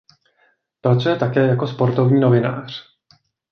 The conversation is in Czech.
Pracuje také jako sportovní novinář.